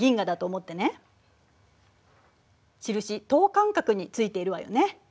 印等間隔についているわよね。